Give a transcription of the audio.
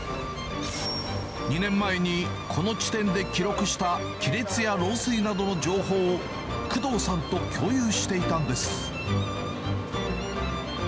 ２年前にこの地点で記録した亀裂や漏水などの情報を工藤さんと共有していたんです。